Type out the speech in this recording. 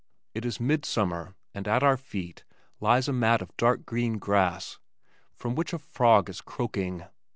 It is mid summer and at our feet lies a mat of dark green grass from which a frog is croaking.